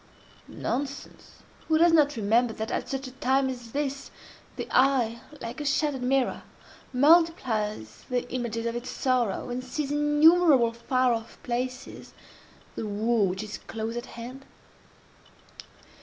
Nonsense!—Who does not remember that, at such a time as this, the eye, like a shattered mirror, multiplies the images of its sorrow, and sees in innumerable far off places, the woe which is close at hand?